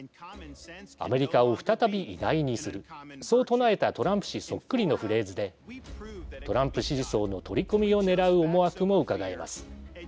アメリカを再び偉大にするそう唱えたトランプ氏そっくりのフレーズでトランプ支持層の取り込みをねらう思惑もうかがえます。